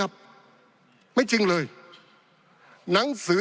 ปี๑เกณฑ์ทหารแสน๒